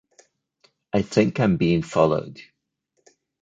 I think I am being followed.